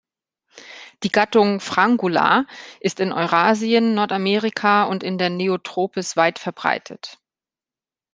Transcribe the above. Die Gattung "Frangula" ist in Eurasien, Nordamerika und in der Neotropis weitverbreitet.